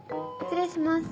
失礼します